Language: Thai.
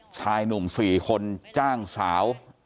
ชายหนุ่ม๔คนจ้างสาว